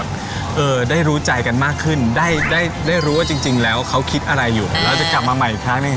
เบี้ยวแล้วพี่เทน